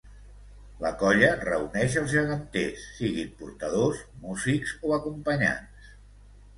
La colla reuneix els geganters, siguin portadors, músics o acompanyants.